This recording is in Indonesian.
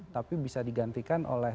tapi bisa digantikan oleh